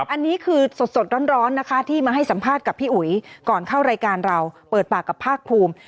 อันนี้คือสดร้อนนะคะที่มาให้สัมภาษณ์กับพี่อุ๋ยก่อนเข้ารายการเราเปิดปากกับภาคภูมิ